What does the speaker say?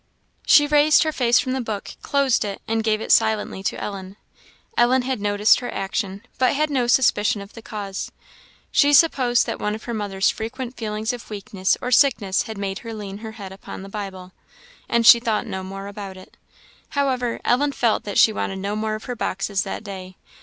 She raised her face from the book, closed it, and gave it silently to Ellen. Ellen had noticed her action, but had no suspicion of the cause; she supposed that one of her mother's frequent feelings of weakness or sickness had made her lean her head upon the Bible, and she thought no more about it. However, Ellen felt that she wanted no more of her boxes that day.